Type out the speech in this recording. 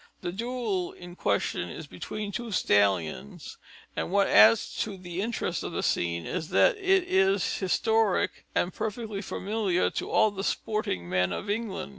The duel in question is between two stallions, and what adds to the interest of the scene is that it is historic and perfectly familiar to all the sporting men of England.